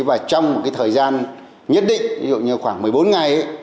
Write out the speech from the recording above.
và trong thời gian nhất định ví dụ như khoảng một mươi bốn ngày